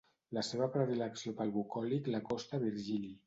La seva predilecció pel bucòlic l'acosta a Virgili.